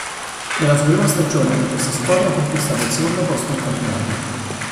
Nella sua prima stagione con questa squadra ha conquistato il secondo posto in campionato.